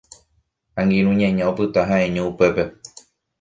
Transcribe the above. Angirũ ñaña opyta ha'eño upépe